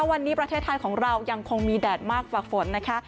วันนี้ประเทศไทยของเรายังคงมีแดดมากฝากฝนนะคะ